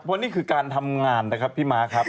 เพราะนี่คือการทำงานนะครับพี่ม้าครับ